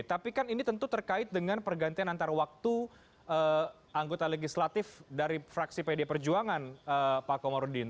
tapi kan ini tentu terkait dengan pergantian antar waktu anggota legislatif dari fraksi pd perjuangan pak komarudin